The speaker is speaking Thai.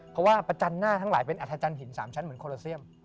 เพราะว่าประจันหน้าทั้งหลายเป็นอัธจันทร์หิน๓ชั้นเหมือนโคโลเซียม